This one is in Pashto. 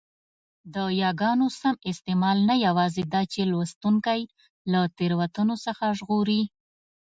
د یاګانو سم استعمال نه یوازي داچي لوستوونکی له تېروتنو څخه ژغوري؛